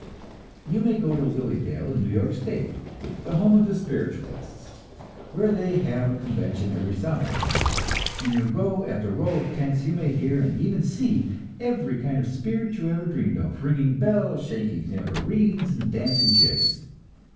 You may go to Lily Dale, in New York state, the home of the Spiritualists, where they have a convention every summer, and in row after row of tents you may hear, and even see, every kind of spirit you ever dreamed of, ringing bells and shaking tambourines and dancing jigs.